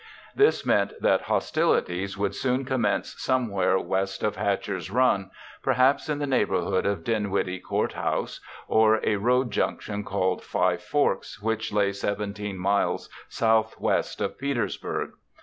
This meant that hostilities would soon commence somewhere west of Hatcher's Run, perhaps in the neighborhood of Dinwiddie Court House or a road junction called Five Forks which lay 17 miles southwest of Petersburg.